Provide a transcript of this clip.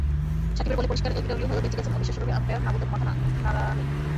সাকিবের বলে পরিষ্কার এলবিডব্লু হয়েও বেঁচে গেছেন অবিশ্বাস্যভাবে আম্পায়ার না-বোধক মাথা নাড়ানোয়।